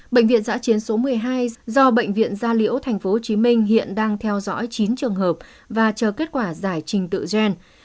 bệnh viện giã chiến số một mươi hai do bệnh viện gia liễu tp hcm hiện đang theo dõi chín trường hợp và chờ kết quả giải trình tự gen